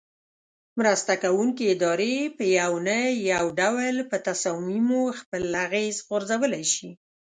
مرسته ورکوونکې ادارې په یو نه یو ډول په تصامیمو خپل اغیز غورځولای شي.